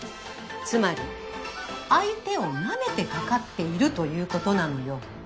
つまり相手をなめてかかっているということなのよ。